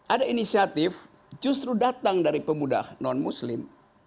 ada inisiatif justru datang dari pemuda non muslim